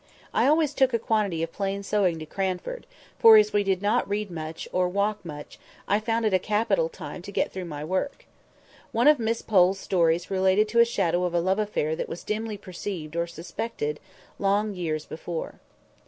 I always took a quantity of plain sewing to Cranford; for, as we did not read much, or walk much, I found it a capital time to get through my work. One of Miss Pole's stories related to a shadow of a love affair that was dimly perceived or suspected long years before.